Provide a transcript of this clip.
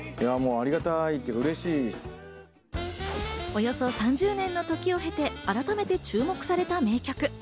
およそ３０年の時を経て、改めて注目された名曲。